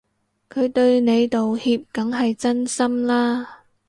佢對你道歉梗係真心啦